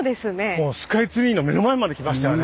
もうスカイツリーの目の前まで来ましたよね。